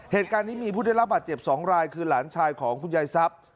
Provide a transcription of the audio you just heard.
เหตุการณ์นี้มีผู้ได้รับบาดเจ็บ๒รายคือหลานชายของคุณยายทรัพย์